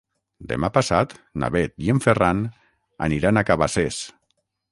Demà passat na Bet i en Ferran aniran a Cabacés.